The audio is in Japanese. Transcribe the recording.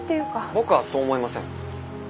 僕はそう思いません。